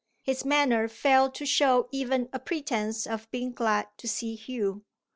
His manner failed to show even a pretence of being glad to see Hugh.